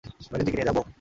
বাইরে দিকে নিয়ে যাও, বোহ!